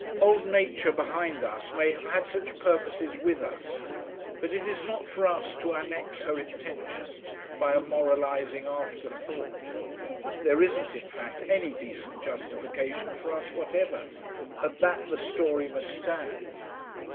Old Nature behind us may have had such purposes with us, but it is not for us to annex her intentions by a moralising afterthought. There isn't, in fact, any decent justification for us whatever at that the story must stand.